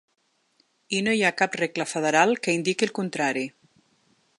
I no hi ha cap regla federal que indiqui el contrari.